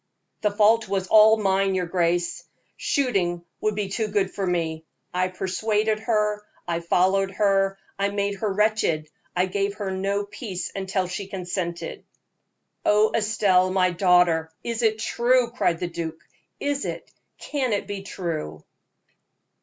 "The fault was all mine, your grace; shooting would be far too good for me. I persuaded her, I followed her, I made her wretched, I gave her no peace until she consented." "Oh! Estelle, my daughter, is it true?" cried the duke. "Is it can it be true?"